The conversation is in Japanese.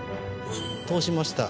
通しました。